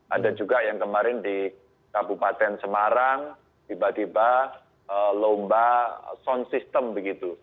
ada juga yang kemarin di kabupaten semarang tiba tiba lomba sound system begitu